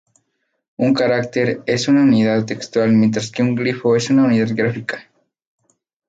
Un carácter es una unidad textual mientras que un glifo es una unidad gráfica.